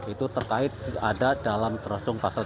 itu terkait ada dalam terosong pasal tiga puluh enam